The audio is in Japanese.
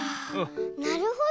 なるほど。